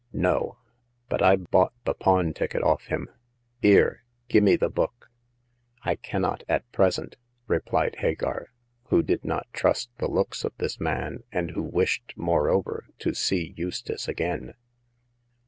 " No ; but I've bought the pawn ticket off him. 'Ere, gimme the book !"" I cannot at present," replied Hagar, who did not trust the looks of this man, and who wished, moreover, to see Eustace again.